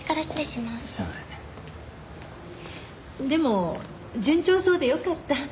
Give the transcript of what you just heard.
でも順調そうでよかった。